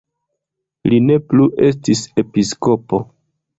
Li ne plu estis episkopo.